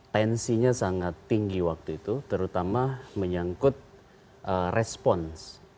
tensinya sangat tinggi waktu itu terutama menyangkut respons